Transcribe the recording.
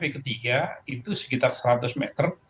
ketiga itu sekitar seratus meter